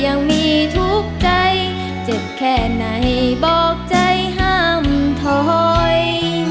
ยังมีทุกข์ใจเจ็บแค่ไหนบอกใจห้ามถอย